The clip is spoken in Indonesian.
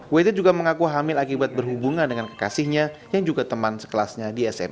wt juga mengaku hamil akibat berhubungan dengan kekasihnya yang juga teman sekelasnya di sma